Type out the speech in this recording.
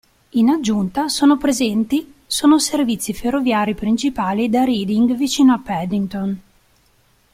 In aggiunta, sono presenti sono servizi ferroviari principali da Reading vicino a Paddington.